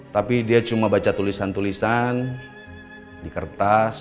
tapi dia cuma baca tulisan tulisan di kertas